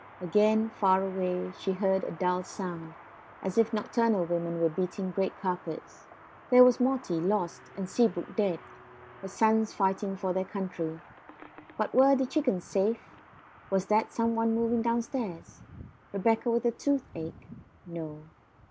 Again, far away, she heard the dull sound, as if nocturnal women were beating great carpets. There was Morty lost, and Seabrook dead; her sons fighting for their country. But were the chickens safe? Was that some one moving downstairs? Rebecca with the toothache? No.